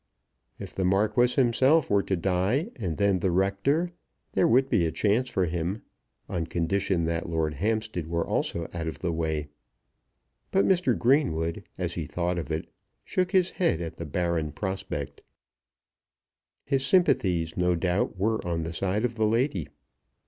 If the Marquis himself were to die, and then the Rector, there would be a chance for him, on condition that Lord Hampstead were also out of the way. But Mr. Greenwood, as he thought of it, shook his head at the barren prospect. His sympathies no doubt were on the side of the lady.